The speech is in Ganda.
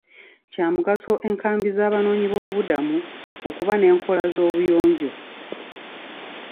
Kya mugaso enkambi z'abanoonyiboobubudamu okuba n'enkola z'obuyonjo.